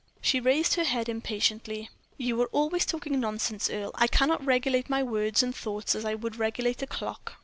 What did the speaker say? She raised her head impatiently. "You are always talking nonsense, Earle. I cannot regulate my words and thoughts as I would regulate a clock.